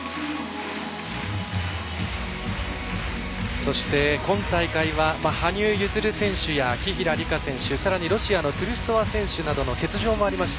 そして、今大会は羽生結弦選手や紀平梨花選手、さらにはロシアのトゥルソワ選手の欠場もありました。